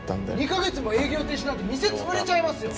２カ月も営業停止なんて店潰れちゃいますよ！